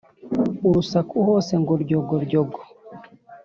urusaku hose ngo ryogoryogo